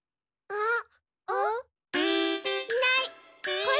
あっ！